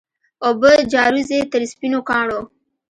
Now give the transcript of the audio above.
اوبه جاروزي تر سپینو کاڼو